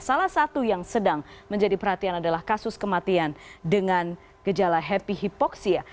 salah satu yang sedang menjadi perhatian adalah kasus kematian dengan gejala happy hypoxia